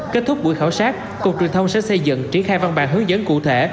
kết thúc buổi khảo sát cục truyền thông sẽ xây dựng triển khai văn bản hướng dẫn cụ thể